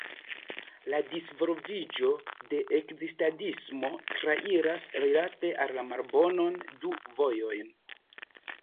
La disvolviĝo de ekzistadismo trairas, rilate la malbonon, du vojojn.